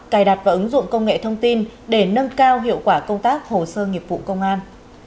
cài đặt và ứng dụng công nghệ thông tin để nâng cao hiệu quả công tác hồ sơ nghiệp vụ công an